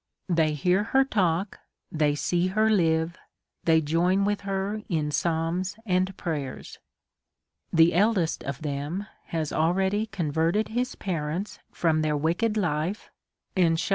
They hear her talk, they see her live, they join with her in psalm's and prayers. The eldest of them has already converted his parents from their wicked life^ and shews DfiVOUT AND HOLY LIFE.